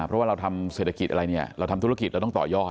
เพราะว่าเราทำเศรษฐกิจอะไรเนี่ยเราทำธุรกิจเราต้องต่อยอด